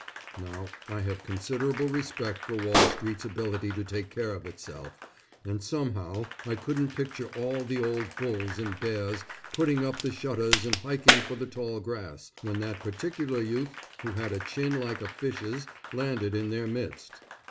Now I have considerable respect for Wall Street's ability to take care of itself, and somehow I couldn't picture all the old bulls and bears putting up the shutters and hiking for the tall grass, when that particular youth who had a chin like a fish's, landed in their midst.